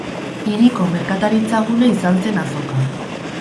Hiriko merkataritza-gune izan zen, azoka.